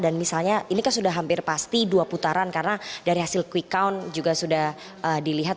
dan misalnya ini kan sudah hampir pasti dua putaran karena dari hasil quick count juga sudah dilihat